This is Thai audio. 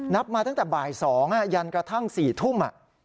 มาตั้งแต่บ่าย๒ยันกระทั่ง๔ทุ่ม